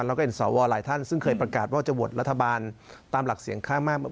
แล้วก็เห็นสวหลายท่านซึ่งเคยประกาศว่าจะโหวตรัฐบาลตามหลักเสียงข้างมาก